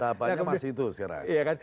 tahapannya masih itu sekarang